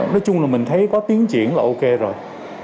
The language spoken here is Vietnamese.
nói chung là mình thấy có tiến triển là ok rồi